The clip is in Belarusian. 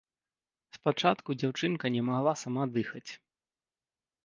Спачатку дзяўчынка не магла сама дыхаць.